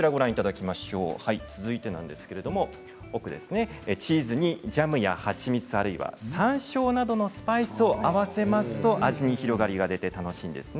続いてチーズにジャムや蜂蜜あるいは、さんしょうなどのスパイスを合わせますと味に広がりが出て楽しいです。